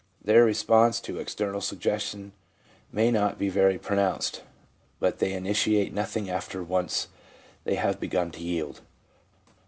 Their response to external suggestion may not be very pronounced, but they initiate nothing after; once they have begun to yield.